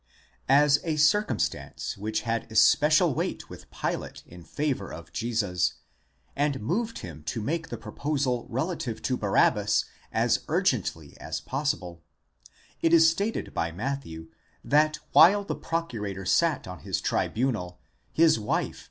As a circumstance which had especial weight with Pilate in favour of Jesus, and moved him to make the proposal relative to Barabbas as urgently as pos sible, it is stated by Matthew that while the procurator sat on his tribunal, his wife